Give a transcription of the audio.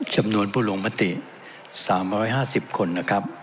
จำนวนผู้ลงมติ๓๕๐คนนะครับ